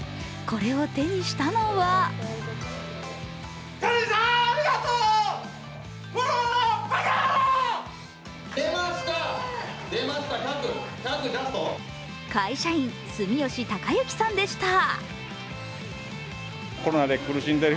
これを手にしたのは会社員・住吉隆之さんでした。